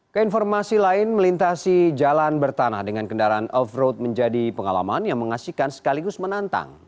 keinformasi lain melintasi jalan bertanah dengan kendaraan off road menjadi pengalaman yang mengasihkan sekaligus menantang